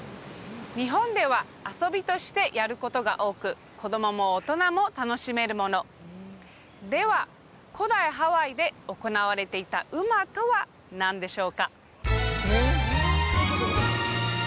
日本では遊びとしてやることが多く子供も大人も楽しめるものでは古代ハワイで行われていたｕｍａとは何でしょうか？